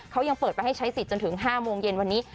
เขายังเปิดไปให้ใช้สิทธิจนถึง๕โมงเย็นวันนี้